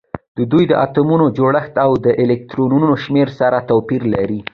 د دوی د اتومونو جوړښت او د الکترونونو شمیر سره توپیر لري